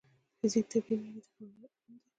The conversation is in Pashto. فزیک د طبیعي نړۍ د قوانینو علم دی.